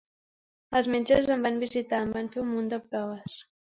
Els metges em van visitar, em van fer un munt de proves.